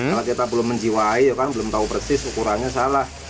kalau kita belum menjiwai ya kan belum tahu persis ukurannya salah